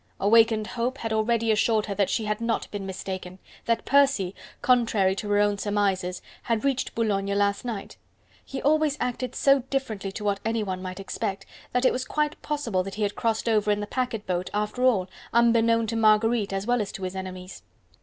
Awakened hope had already assured her that she had not been mistaken, that Percy, contrary to her own surmises, had reached Boulogne last night: he always acted so differently to what anyone might expect, that it was quite possible that he had crossed over in the packet boat after all unbeknown to Marguerite as well as to his enemies.